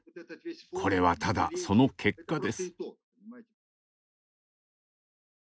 これはただその結果です。